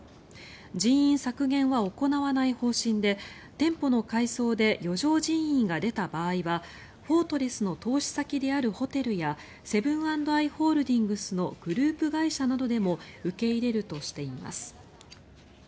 人員削減は行わない方針で店舗の改装で余剰人員が出た場合はフォートレスの投資先であるホテルやセブン＆アイ・ホールディングスのグループ会社などでも受け入れるとしています。